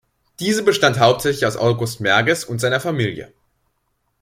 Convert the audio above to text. Diese bestand hauptsächlich aus August Merges und seiner Familie.